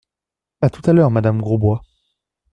A tout à l’heure, madame Grosbois.